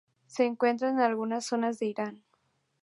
Se encuentra en algunas zonas de Irán.